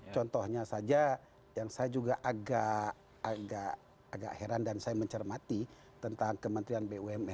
contohnya saja yang saya juga agak heran dan saya mencermati tentang kementerian bumn